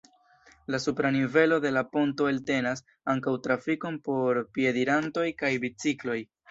La supra nivelo de la ponto eltenas ankaŭ trafikon por piedirantoj kaj bicikloj.